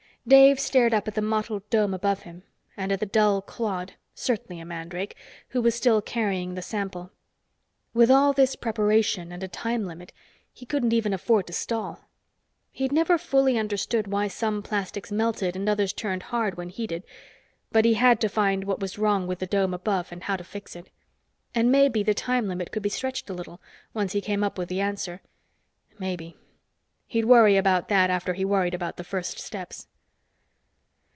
Dave stared up at the mottled dome above him and at the dull clod certainly a mandrake who was still carrying the sample. With all this preparation and a time limit, he couldn't even afford to stall. He'd never fully understood why some plastics melted and others turned hard when heated, but he had to find what was wrong with the dome above and how to fix it. And maybe the time limit could be stretched a little, once he came up with the answer. Maybe. He'd worry about that after he worried about the first steps.